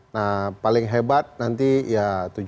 nah paling hebat nanti ya tujuh tiga